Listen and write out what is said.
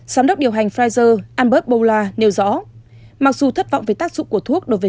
giám đốc điều hành pfizer albert bollah nêu rõ mặc dù thất vọng về tác dụng của thuốc đối với